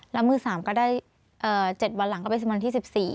แล้วมือ๓ก็ได้๗วันหลังก็เป็นวันที่๑๔